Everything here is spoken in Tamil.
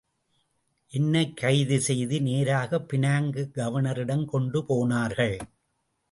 என்னைக் கைது செய்து நேராக பினாங்கு கவர்னரிடம் கொண்டு போனார்கள்.